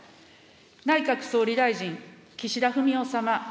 内閣総理大臣、岸田文雄様。